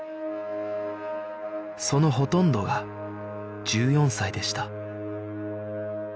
そのほとんどが１４歳でした